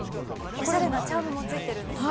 おしゃれなチャームもついているんですよ。